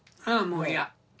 ああもういや。